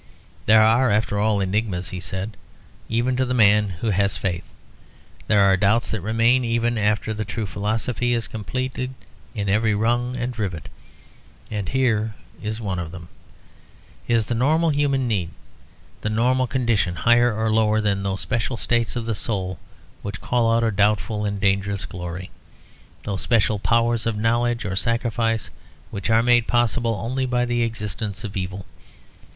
"There are, after all, enigmas," he said "even to the man who has faith. There are doubts that remain even after the true philosophy is completed in every rung and rivet. And here is one of them. Is the normal human need, the normal human condition, higher or lower than those special states of the soul which call out a doubtful and dangerous glory? those special powers of knowledge or sacrifice which are made possible only by the existence of evil?